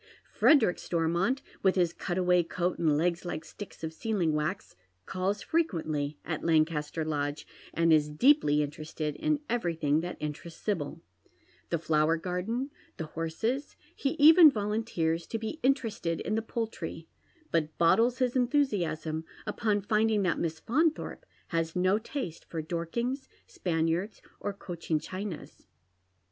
Frederick Stormont, with his cutaway coat and legs like sticks of sealing wax, calls fre quently at Lancaster Lodge, and is deeply interested in everything that interests Sibyl, — the flower garden, the horses ; he even volunteers to be interested in the poultry, but bottles Ins enthusiasm upon finding that Miss Faunthorpe has no taste for Dorkings, Spaniards, or Cochin Chinas.